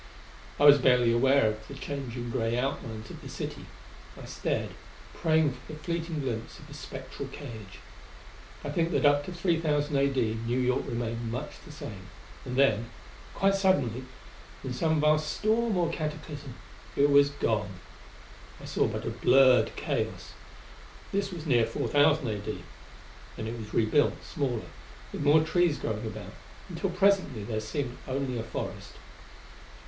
I was barely aware of the changing gray outlines of the city: I stared, praying for the fleeting glimpse of a spectral cage.... I think that up to 3,000 A.D., New York remained much the same. And then, quite suddenly, in some vast storm or cataclysm, it was gone. I saw but a blurred chaos. This was near 4,000 A.D. Then it was rebuilt, smaller, with more trees growing about, until presently there seemed only a forest.